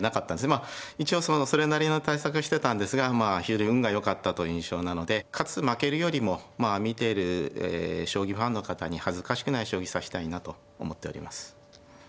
まあ一応それなりの対策してたんですがまあ非常に運がよかったという印象なので勝つ負けるよりも見てる将棋ファンの方に恥ずかしくない将棋指したいなと思っております。